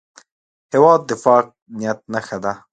هېواد د پاک نیت نښه ده.